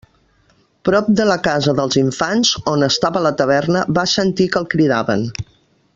Prop de la casa dels Infants, on estava la taverna, va sentir que el cridaven.